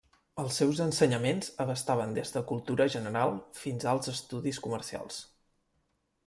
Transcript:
Els seus ensenyaments abastaven des de cultura general fins alts estudis comercials.